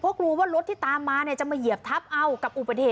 เพราะรู้ว่ารถที่ตามมาเนี่ยจะมาเหยียบทับเอ้ากับอุปเถต